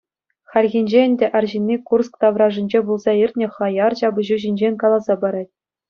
Хальхинче ӗнтӗ арҫынни Курск таврашӗнче пулса иртнӗ хаяр ҫапӑҫу ҫинчен каласа парать.